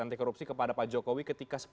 anti korupsi kepada pak jokowi ketika